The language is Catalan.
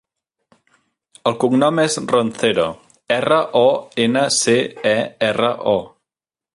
El cognom és Roncero: erra, o, ena, ce, e, erra, o.